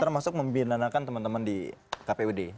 termasuk membinakan teman teman di kpud